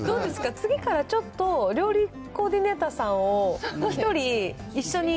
次からちょっと料理コーディネーターさんを１人、一緒に。